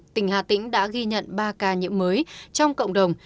tỉnh hà tĩnh đã ghi nhận ba ca nhiễm mới trong cộng đồng